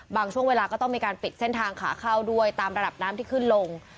ช่วงเวลาก็ต้องมีการปิดเส้นทางขาเข้าด้วยตามระดับน้ำที่ขึ้นลง